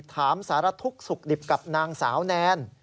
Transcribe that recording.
สารทุกข์สุขดิบกับนางสาวแนน